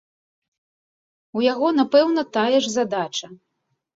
У яго, напэўна, тая ж задача.